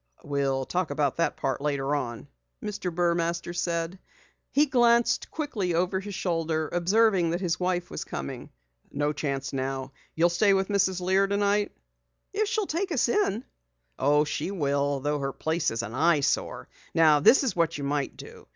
"We'll talk about that part later on," Mr. Burmaster said. He glanced quickly over his shoulder, observing that his wife was coming. "No chance now. You'll stay with Mrs. Lear tonight?" "If she'll take us in." "Oh, she will, though her place is an eye sore. Now this is what you might do.